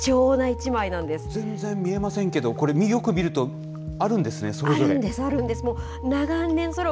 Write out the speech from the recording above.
全然見えませんけど、これ、よく見るとあるんですね、それぞれ。